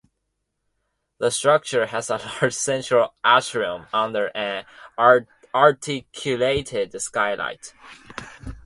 The structure has a large central atrium under an articulated skylight.